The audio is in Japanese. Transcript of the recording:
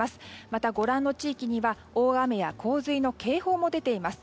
また、ご覧の地域には大雨や洪水の警報も出ています。